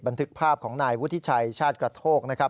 บันทึกภาพของนายวุฒิชัยชาติกระโทกนะครับ